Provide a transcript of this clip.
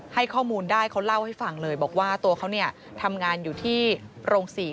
ให้ข้อมูลได้เขาเล่าให้ฟังเลยบอกว่าตัวเขาเนี่ยทำงานอยู่ที่โรงศรี